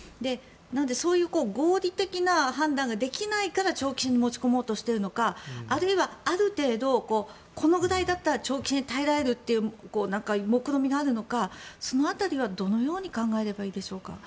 そういう合理的な判断ができないから長期戦に持ち込もうとしているのかあるいは、ある程度このぐらいだったら長期戦、耐えられるというもくろみがあるのかその辺りはどのように考えればいいでしょうか？